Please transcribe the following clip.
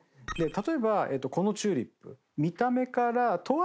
例えばこのチューリップ。